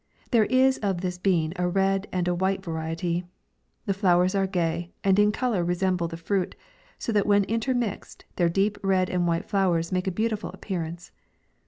There is of this bean a red and white variety. The flowers are gay, and in colour resemble the fruit, so that when intermixed, their deep red and white flowers make a beautiful ap pearance.